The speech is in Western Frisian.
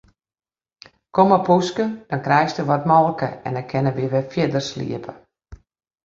Kom mar poeske, dan krijsto wat molke en dan kinne wy wer fierder sliepe.